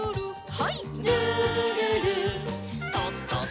はい。